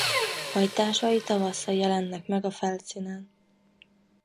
Hajtásai tavasszal jelennek meg a felszínen.